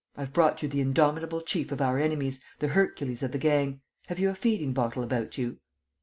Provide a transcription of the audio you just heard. "I've brought you the indomitable chief of our enemies, the Hercules of the gang. Have you a feeding bottle about you?"